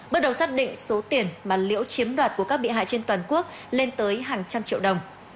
bước đầu xác định số tiền mà liễu chiếm đoạt của các bị hại trên toàn quốc lên tới hàng trăm triệu đồng